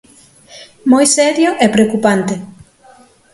Moi serio e preocupante.